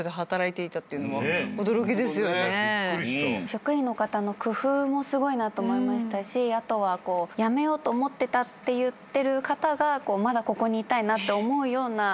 職員の方の工夫もすごいなと思いましたし後は辞めようと思ってたって言ってる方がまだここにいたいなと思うような。